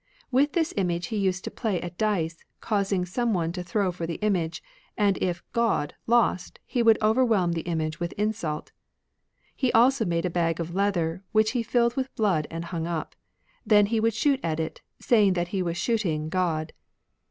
With this image he used to play at dice, causing some one to throw for the image ; and if * God ' lost, he would overwhelm the image with insult. He also made a bag of leather, which he filled with blood and hung up. Then he would shoot at it, saying that he was shooting God.